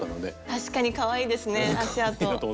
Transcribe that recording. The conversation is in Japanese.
確かにかわいいですね足あと。